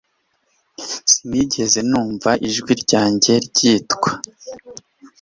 sinigeze numva izina ryanjye ryitwa